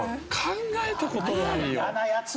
考えた事ないよ。